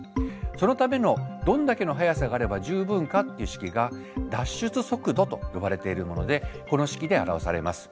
そのためのどんだけの速さがあれば十分かっていう式が脱出速度と呼ばれているものでこの式で表されます。